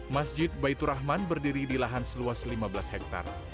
masjid baitur rahman berdiri di lahan seluas lima belas hektare